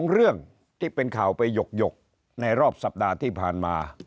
เรื่องที่เป็นข่าวไปหยกในรอบสัปดาห์ที่ผ่านมา